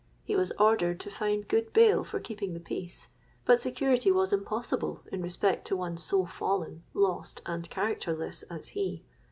He was ordered to find good bail for keeping the peace; but security was impossible in respect to one so fallen, lost, and characterless as he.